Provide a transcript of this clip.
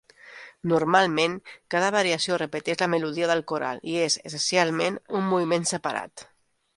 Normalment, cada variació repeteix la melodia del coral i és, essencialment, un moviment separat.